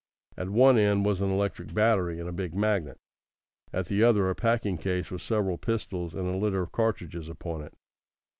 At one end was an electric battery and a big magnet. At the other, a packing case with several pistols and a litter of cartridges upon it.